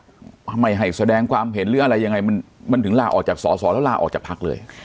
ไม่ให้แสดงความเห็นหรืออะไรยังไงมันมันถึงลาออกจากสอสอแล้วลาออกจากพักเลย